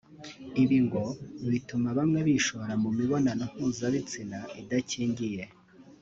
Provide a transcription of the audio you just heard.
Ibi ngo bituma bamwe bishora mu mibonano mpuzabitsina idakingiye